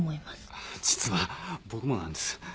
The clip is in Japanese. あっ実は僕もなんです。